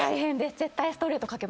絶対。